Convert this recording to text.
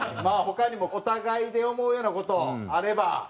まあ他にもお互いで思うような事あれば。